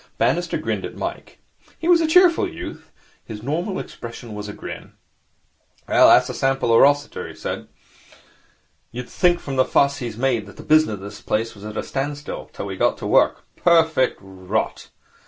Bannister grinned at Mike. He was a cheerful youth. His normal expression was a grin. 'That's a sample of Rossiter,' he said. 'You'd think from the fuss he's made that the business of the place was at a standstill till we got to work. Perfect rot!